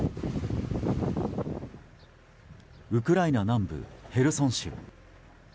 ウクライナ南部ヘルソン州。